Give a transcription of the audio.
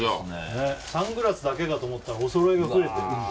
サングラスだけかと思ったらおそろいが増えて。